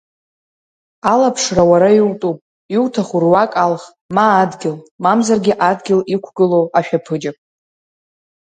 Алаԥшра уара иутәуп, иуҭаху руак алх ма адгьыл, мамзаргьы адгьыл иқәгылоу ашәаԥыџьаԥ.